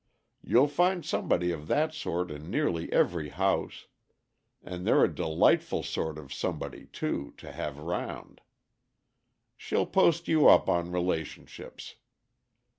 You'll find somebody of that sort in nearly every house, and they're a delightful sort of somebody, too, to have round. She'll post you up on relationships.